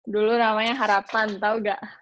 dulu namanya harapan tau gak